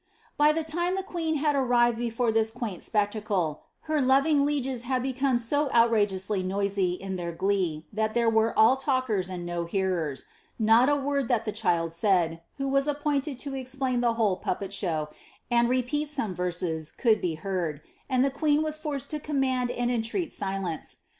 * By the time the queen had arrived before this quaint spectacle, her loring lieges had become so outrageously noisy in their glee, that there vcre all talkers and no hearers ; not a word that the child said, who vsi appointed to explain the whole puppet show, and repeat some verses, could be heard, and the queen was forced to command and estreat silence.